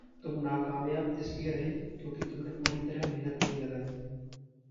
तुम नाकामयाब इसलिए रहे क्योंकि तुमने पूरी तरह मेहनत नहीं लगाई।